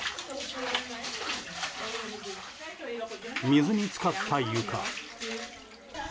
水に浸かった床。